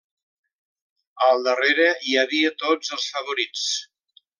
Al darrere hi havia tots els favorits.